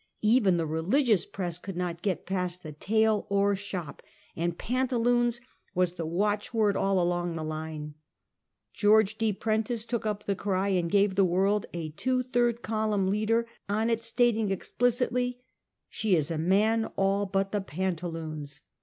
Even the religious press could not get past the tail or shop, and " pantaloons " was the watchword all along the line. George D, Prentiss took U23 the cry, and gave the world a two third column leader on it, sta ting explicitly, " She is a man all but the pantaloons."